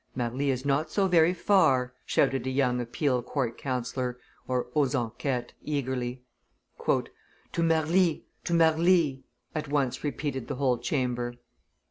"Marly is not so very far!" shouted a young appeal court councillor (aux enquetes) eagerly. "To Marly! To Marly!" at once repeated the whole chamber.